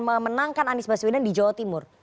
memenangkan anies baswedan di jawa timur